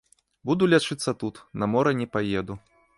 Буду лячыцца тут, на мора не паеду.